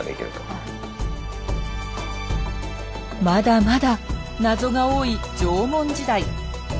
まだまだ謎が多い縄文時代。